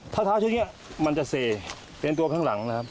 ถ้าเท้าเช่นนี้มันจะเซเป็นตัวข้างหลังนะครับ